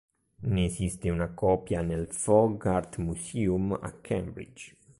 Ne esiste una copia nel Fogg Art Museum a Cambridge.